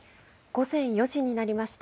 午前４時になりました。